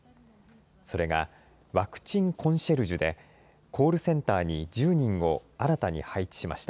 それが、ワクチン・コンシェルジュで、コールセンターに１０人を新たに配置しました。